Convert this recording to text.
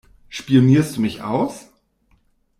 Spionierst du mich aus?